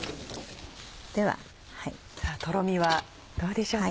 さぁとろみはどうでしょうか。